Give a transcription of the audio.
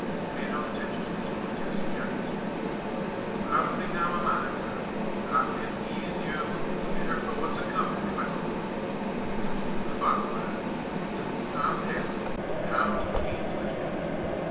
Paying no attention to this protest, Jack continued: "But I've a thing on ma min', Tom, that I'd feel easier aboot an' fitter for what's a comin' if I told it. It's aboot the father, lad; it's aboot Tom Taylor, an' how he cam' to his death.